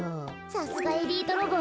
さすがエリートロボ。